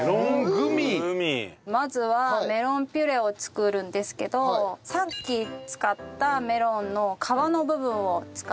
まずはメロンピュレを作るんですけどさっき使ったメロンの皮の部分を使います。